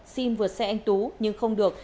xin vượt xe anh tú nhưng không được